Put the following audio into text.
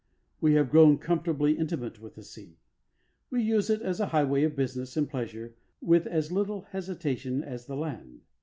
We have grown comfortably intimate with the sea. We use it as a highway of business and pleasure with as little hesitation as the land.